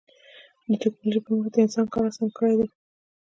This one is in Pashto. د ټکنالوجۍ پرمختګ د انسان کار اسان کړی دی.